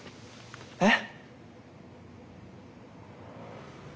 えっ？